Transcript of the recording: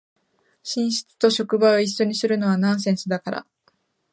寝室と職場を一緒にするのはナンセンスだから